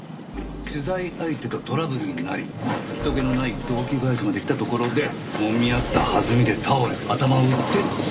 取材相手とトラブルになり人けのない雑木林まで来たところでもみ合った弾みで倒れ頭を打って死亡。